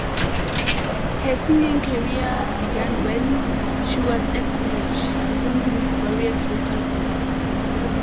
Her singing career began when she was at college, performing with various local groups.